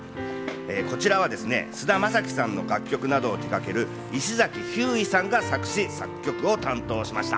こちらは菅田将暉さんの楽曲などを手がける石崎ひゅーいさんが作詞・作曲を担当しました。